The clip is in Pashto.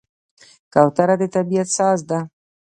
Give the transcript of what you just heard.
کوتره د طبیعت ساز ده.